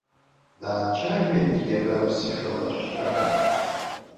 Даацәажәеит иара аԥсышәала ахьхьаҳәа.